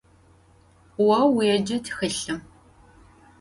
Vo vuêce txılhım.